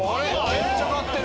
めっちゃ買ってる。